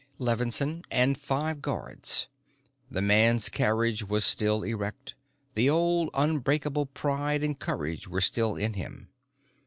Levinsohn and five guards. The man's carriage was still erect, the old unbreakable pride and courage were still in him.